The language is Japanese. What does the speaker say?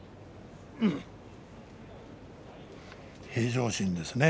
平常心ですね